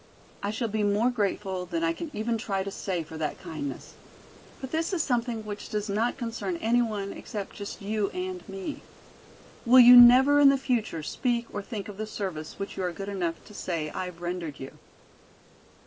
I shall be more grateful than I can even try to say for that kindness. But this is something which does not concern anyone except just you and me. Will you never in the future speak or think of the service which you are good enough to say I have rendered you."